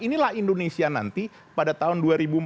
inilah indonesia nanti pada tahun dua ribu empat puluh